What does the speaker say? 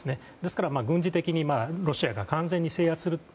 ですから、軍事的にロシアが完全に制圧する。